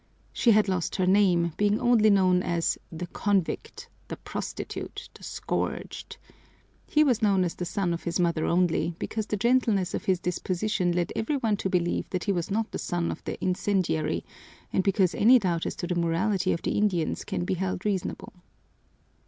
She had lost her name, being known only as the convict, the prostitute, the scourged. He was known as the son of his mother only, because the gentleness of his disposition led every one to believe that he was not the son of the incendiary and because any doubt as to the morality of the Indians can be held reasonable.